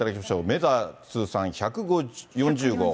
メジャー通算１４０号。